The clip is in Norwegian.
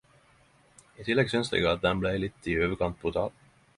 I tillegg syns eg den blei litt i overkant brutal.